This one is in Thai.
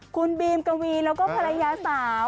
คุณบีมกวีแล้วก็ภรรยาสาว